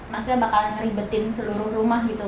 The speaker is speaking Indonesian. maksudnya bakalan ribetin seluruh rumah gitu